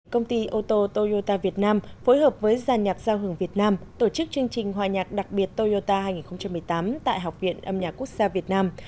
công ty ô tô toyota việt nam phối hợp với giàn nhạc giao hưởng việt nam tổ chức chương trình hòa nhạc đặc biệt toyota hai nghìn một mươi tám tại học viện âm nhạc quốc gia việt nam